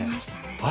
あれ？